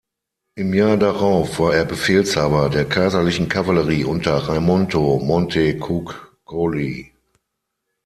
Im Jahr darauf war er Befehlshaber der kaiserlichen Kavallerie unter Raimondo Montecuccoli.